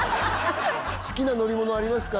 好きな乗り物ありますか？